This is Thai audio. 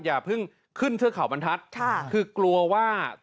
อย่าเพิ่งขึ้นเทือกเขาบรรทัศน์คือกลัวว่า